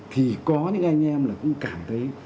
thì có những anh em là cũng cảm thấy